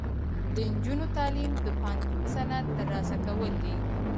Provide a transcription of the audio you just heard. د نجونو تعلیم د پوهنتون سند ترلاسه کول دي.